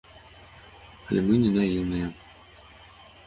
Але мы не наіўныя.